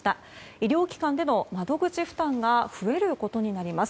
医療機関での窓口負担が増えることになります。